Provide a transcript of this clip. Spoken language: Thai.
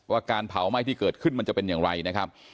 การเผาไหม้ที่เกิดขึ้นมันจะเป็นอย่างไรนะครับ